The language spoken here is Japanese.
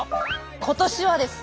今年はです。